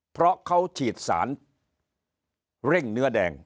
เพราะเขาฉีดสารเร่งเนื้อแดง